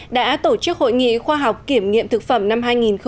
đã tổ chức hội nghị khoa học kiểm nghiệm thực phẩm năm hai nghìn một mươi tám